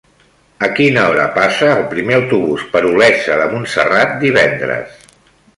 A quina hora passa el primer autobús per Olesa de Montserrat divendres?